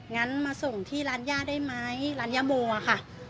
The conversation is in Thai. งั้นมาส่งที่ร้านย่าได้ไหมร้านย่าโมอะค่ะ